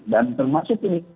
dan termasuk ini